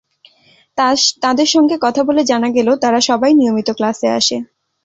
তাদের সঙ্গে কথা বলে জানা গেল, তারা সবাই নিয়মিত ক্লাসে আসে।